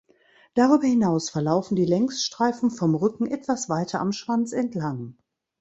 Darüber hinaus verlaufen die Längsstreifen vom Rücken etwas weiter am Schwanz entlang.